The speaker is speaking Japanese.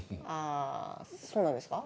あそうなんですか？